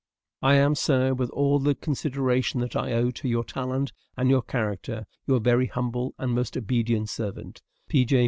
I am, sir, with all the consideration that I owe to your talent and your character, Your very humble and most obedient servant, P. J.